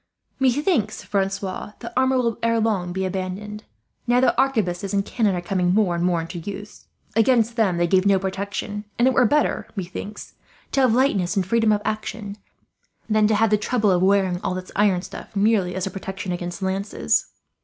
"Methinks, Francois, that armour will ere long be abandoned, now that arquebuses and cannon are coming more and more into use. Against them they give no protection; and it were better, methinks, to have lightness and freedom of action, than to have the trouble of wearing all this iron stuff merely as a protection against lances.